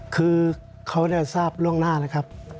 คือเขาทราบล่วงหน้านะครับ